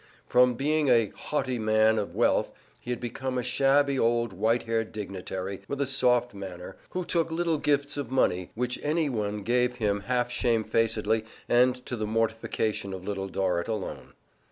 From being a haughty man of wealth, he had become a shabby old white haired dignitary with a soft manner, who took little gifts of money which any one gave him half shame facedly and to the mortification of Little Dorrit alone.